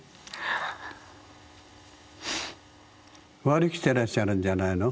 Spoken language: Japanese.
割り切ってらっしゃるんじゃないの？